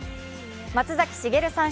松崎しげるさん